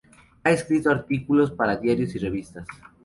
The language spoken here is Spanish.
Ha escrito artículos para diarios y revistas.